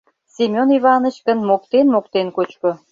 Семён Иваныч гын моктен-моктен кочко.